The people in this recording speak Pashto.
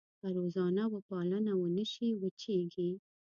که روزنه وپالنه ونه شي وچېږي.